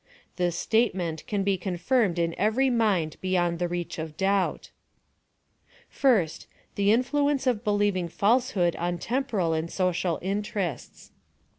This statement can be confirmed in jvery mind be yond the reach of doubt. First J the injlaencc of believing falsehood on temporal and social interests.